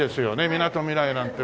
「みなとみらい」なんて。